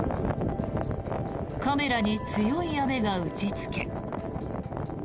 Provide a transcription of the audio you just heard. カメラに強い雨が打ちつけ。